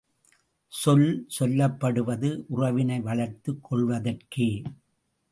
சொல் சொல்லப்படுவது உறவினை வளர்த்துக் கொள்வதற்கே!